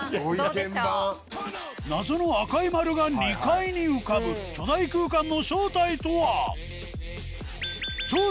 謎の赤い丸が２階に浮かぶ巨大空間の正体とは？